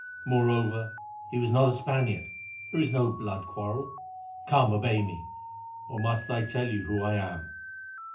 Moreover, he was not a Spaniard, there is no blood quarrel. Come, obey me! or must I tell you who I am?"